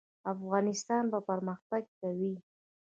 افغانستان به پرمختګ کوي؟